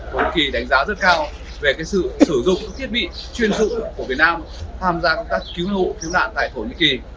thổ nhĩ kỳ đánh giá rất cao về sự sử dụng thiết bị chuyên dự của việt nam tham gia công tác cứu nạn hộ tại thổ nhĩ kỳ